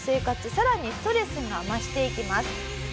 さらにストレスが増していきます。